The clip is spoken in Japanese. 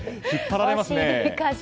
引っ張られますね。